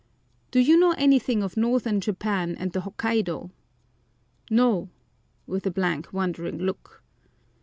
Do you know anything of Northern Japan and the Hokkaido? "No," with a blank wondering look.